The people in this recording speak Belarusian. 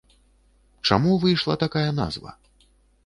Чаму выйшла такая назва?